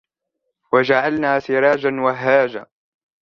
وجعلنا سراجا وهاجا